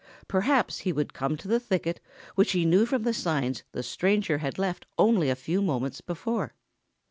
Perhaps he would come to the thicket which he knew from the signs the stranger had left only a few moments before.